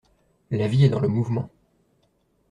La vie est dans le mouvement.